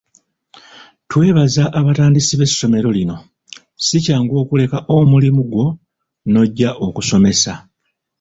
Twebaza abatandisi b'essomero lino, si kyangu okuleka omulimu gwo n'oggya okusomesa.